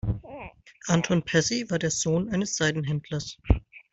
Anton Passy war der Sohn eines Seidenhändlers.